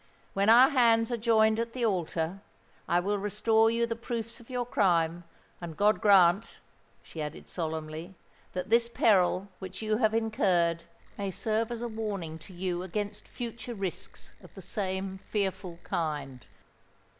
"When our hands are joined at the altar, I will restore you the proofs of your crime; and God grant," she added solemnly, "that this peril which you have incurred may serve as a warning to you against future risks of the same fearful kind."